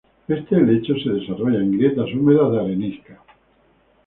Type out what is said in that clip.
Este helecho se desarrolla en grietas húmedas de arenisca.